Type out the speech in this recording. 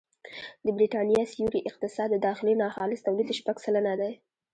د بریتانیا سیوري اقتصاد د داخلي ناخالص توليد شپږ سلنه دی